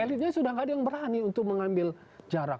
elitnya sudah tidak ada yang berani untuk mengambil jarak